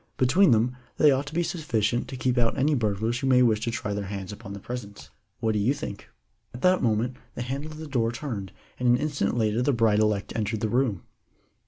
Between them they ought to be sufficient to keep out any burglars who may wish to try their hands upon the presents. What do you think?" At that moment the handle of the door turned, and an instant later the bride elect entered the room.